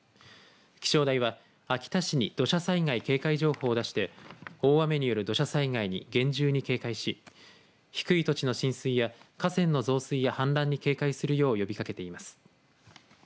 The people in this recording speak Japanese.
気象台は秋田市に土砂災害警戒情報を出して大雨による土砂災害に厳重に警戒し低い土地の浸水や河川の増水や氾濫に警戒するよう呼びかけています。